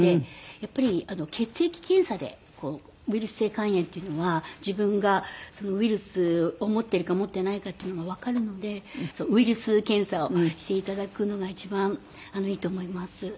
やっぱり血液検査でウイルス性肝炎っていうのは自分がそのウイルスを持っているか持っていないかっていうのがわかるのでウイルス検査をして頂くのが一番いいと思います。